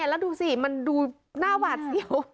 แล้วดูสิมันดูหน้าหวาดเสียว